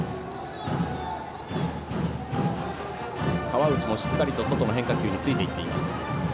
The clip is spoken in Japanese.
河内もしっかり外の変化球についていっています。